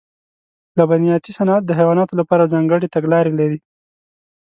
لبنیاتي صنعت د حیواناتو لپاره ځانګړې تګلارې لري.